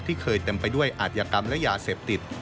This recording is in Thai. เคยเต็มไปด้วยอาธิกรรมและยาเสพติด